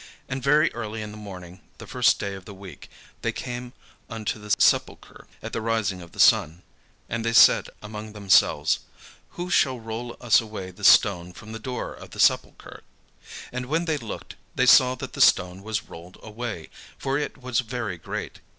And very early in the morning the first day of the week, they came unto the sepulchre at the rising of the sun. And they said among themselves: "Who shall roll us away the stone from the door of the sepulchre?" And when they looked, they saw that the stone was rolled away: for it was very great.